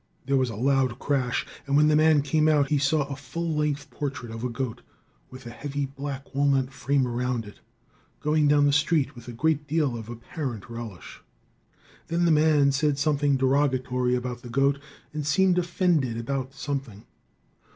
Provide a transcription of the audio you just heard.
There was a loud crash, and when the man came out he saw a full length portrait of a goat with a heavy, black walnut frame around it, going down the street with a great deal of apparent relish. Then the man said something derogatory about the goat, and seemed offended about something.